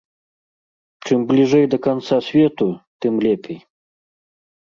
Чым бліжэй да канца свету, тым лепей.